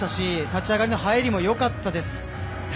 立ち合いの入りもよかったです。